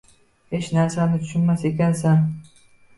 hech narsani tushunmas ekansan!